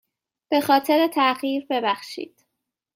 به خاطر تاخیر ببخشید.